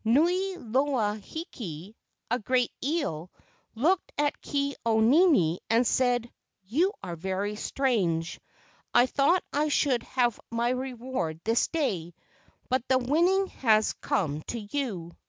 Niu loa hiki (a great eel) looked at Ke au nini and said: "You are very strange. I thought I should have my reward this day, but the win¬ ning has come to you.